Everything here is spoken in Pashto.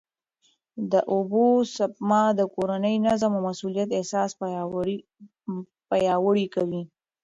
د اوبو سپما د کورني نظم او مسؤلیت احساس پیاوړی کوي.